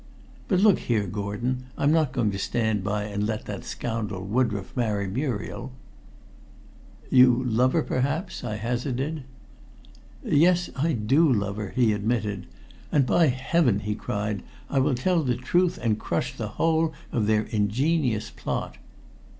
But look here, Gordon, I'm not going to stand by and let that scoundrel Woodroffe marry Muriel." "You love her, perhaps?" I hazarded. "Yes, I do love her," he admitted. "And, by heaven!" he cried, "I will tell the truth and crush the whole of their ingenious plot.